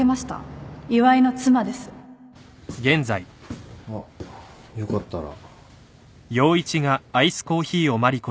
岩井の妻ですあっよかったら。